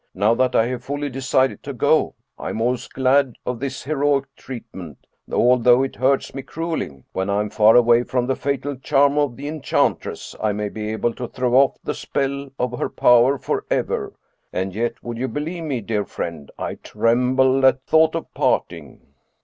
Now that I have fully decided to go, I am almost glad of this heroic treatment, although it hurts me cruelly. When I am far away from the fatal charm of the en chantress, I may be able to throw off the spell of her power forever. And yet, would you believe me, dear friend, I tremble at thought of parting."